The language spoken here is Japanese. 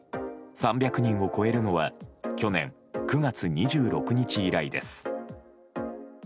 ３００人を超えるのは去年９月２６日以来です。